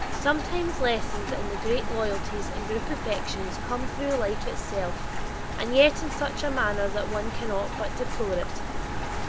Sometimes lessons in the great loyalties and group affections come through life itself and yet in such a manner that one cannot but deplore it.